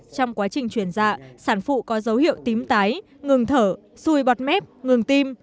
trong quá trình chuyển dạ sản phụ có dấu hiệu tím tái ngừng thở xui bọt mép ngừng tim